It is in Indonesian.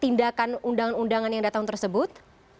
tindakan undangan undangan yang datang tersebut